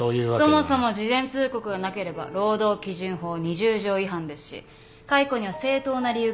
そもそも事前通告がなければ労働基準法２０条違反ですし解雇には正当な理由が必要です。